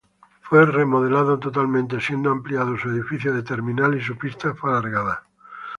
Fue remodelado totalmente, siendo ampliado su edificio de terminal y su pista fue alargada.